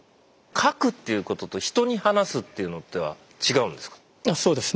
書くっていうことと人に話すっていうのでは違うんですか？